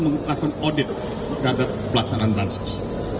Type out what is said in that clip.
melakukan audit terhadap pelaksanaan bansos